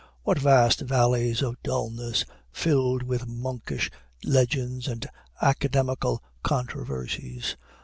What vast valleys of dullness, filled with monkish legends and academical controversies!